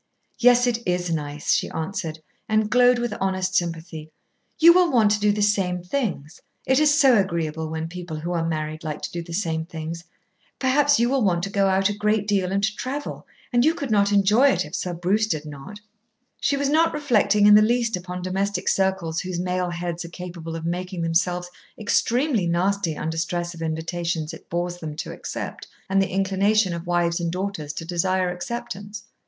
"Yes. It is nice," she answered, and glowed with honest sympathy. "You will want to do the same things. It is so agreeable when people who are married like to do the same things. Perhaps you will want to go out a great deal and to travel, and you could not enjoy it if Sir Bruce did not." She was not reflecting in the least upon domestic circles whose male heads are capable of making themselves extremely nasty under stress of invitations it bores them to accept, and the inclination of wives and daughters to desire acceptance.